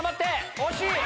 惜しい。